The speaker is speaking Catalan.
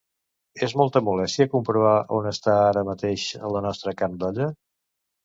És molta molèstia comprovar on està ara mateix la nostra carn d'olla?